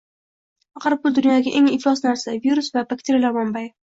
Axir, pul - dunyodagi eng iflos narsa, virus va bakteriyalar manbai!